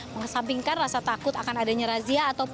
mengesampingkan rasa takut akan adanya razia